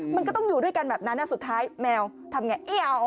มันก็ต้องอยู่ด้วยกันแบบนั้นสุดท้ายแมวทำไง